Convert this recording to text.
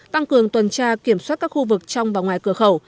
tăng cường tuần tra kiểm soát các khu vực trong và ngoài cửa khẩu